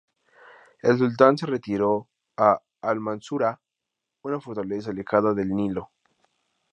El sultán se retiró a al-Mansurah, una fortaleza alejada del Nilo.